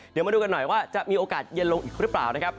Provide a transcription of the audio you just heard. เดี๋ยวมาดูกันหน่อยว่าจะมีโอกาสเย็นลงอีกหรือเปล่านะครับ